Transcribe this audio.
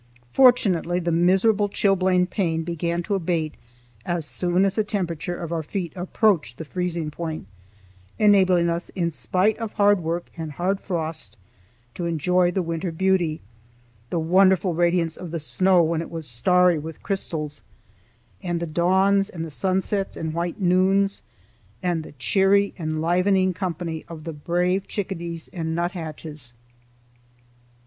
Fortunately the miserable chilblain pain began to abate as soon as the temperature of our feet approached the freezing point, enabling us in spite of hard work and hard frost to enjoy the winter beauty,—the wonderful radiance of the snow when it was starry with crystals, and the dawns and the sunsets and white noons, and the cheery, enlivening company of the brave chickadees and nuthatches.